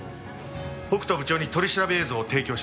北斗部長に取り調べ映像を提供しました。